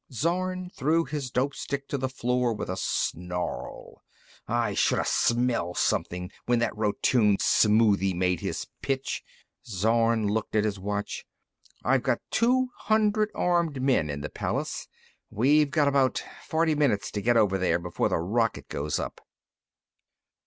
Zorn threw his dope stick to the floor with a snarl. "I should have smelled something when that Rotune smoothie made his pitch." Zorn looked at his watch. "I've got two hundred armed men in the palace. We've got about forty minutes to get over there before the rocket goes up."